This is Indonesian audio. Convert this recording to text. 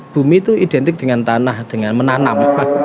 bumi itu identik dengan tanah dengan menanam